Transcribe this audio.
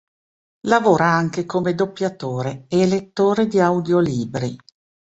Lavora anche come doppiatore e lettore di audiolibri.